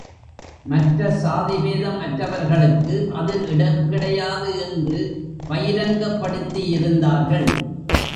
மற்ற சாதி பேதம் அற்றவர்களுக்கு அதில் இடம் கிடையாது என்று பயிரங்கப்படுத்தியிருந்தார்கள்.